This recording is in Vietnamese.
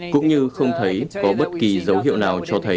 cũng như không thấy có bất kỳ dấu hiệu nào cho thấy